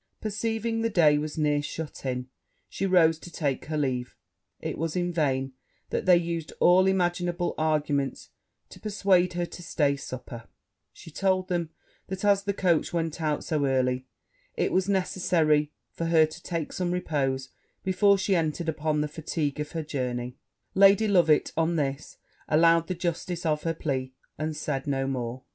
Perceiving the day was near shut in, she rose to take her leave; it was in vain that they used all imaginable arguments to persuade her to stay supper; she told them, that as the coach went out so early, it was necessary for her to take some repose before she entered upon the fatigue of her journey; Lady Loveit on this allowed the justice of her plea, and said no more.